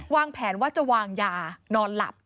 วางแผนว่าจะวางยานอนหลับ